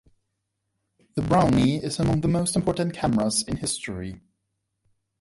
The Brownie is among the most important cameras in history.